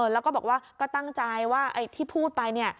แล้วก็บอกว่าก็ตั้งใจว่าที่พูดไป